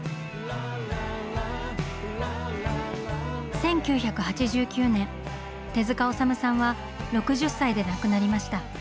１９８９年手治虫さんは６０歳で亡くなりました。